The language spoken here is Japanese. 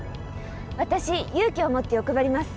私勇気をもって欲張ります。